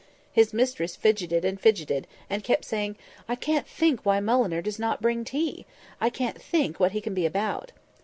His mistress fidgeted and fidgeted, and kept saying, "I can't think why Mulliner does not bring tea. I can't think what he can be about."